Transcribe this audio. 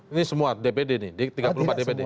ini semua dpd ini tiga puluh empat dpd